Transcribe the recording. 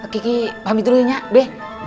kiki pamit dulu nyak be